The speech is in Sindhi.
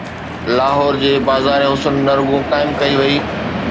لاهور جي بازار حسن نه رڳو قائم ڪئي وئي.